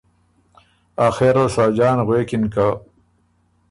آخرل ساجان غوېکِن که